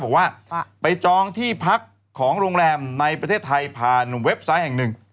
บอกว่าไปจองที่พักของโรงแรมในประเทศไทยผ่านเว็บไซต์แห่งหนึ่ง